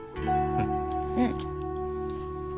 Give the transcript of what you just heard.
うん。